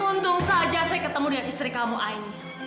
untung saja saya ketemu dengan istri kamu aini